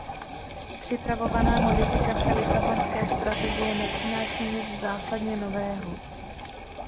Připravovaná modifikace Lisabonské strategie nepřináší nic zásadně nového.